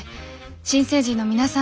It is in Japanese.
新成人の皆さん